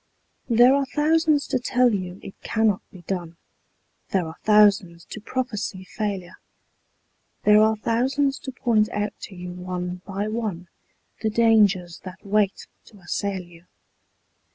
There are thousands to tell you it cannot be done, There are thousands to prophesy failure; There are thousands to point out to you one by one, The dangers that wait to assail you.